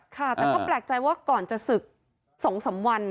ค่ะแต่ก็แปลกใจว่าก่อนจะศึก๒๓วัน